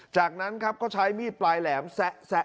จากนั้นครับก็ใช้มีดปลายแหลมแซะ